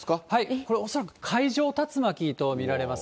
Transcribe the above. これ、恐らく海上竜巻と見られます。